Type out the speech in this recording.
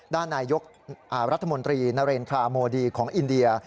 นายกรัฐมนตรีนเรนทราโมดีของอินเดีย